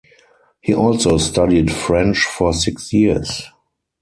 He also studied French for six years.